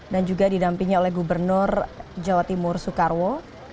dan juga didampingi oleh gubernur jawa timur soekarwo